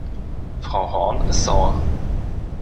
Frau Horn ist sauer.